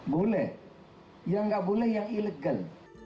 boleh yang nggak boleh yang ilegal